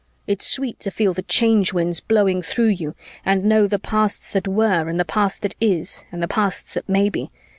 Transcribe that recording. It's sweet to feel the Change Winds blowing through you and know the pasts that were and the past that is and the pasts that may be.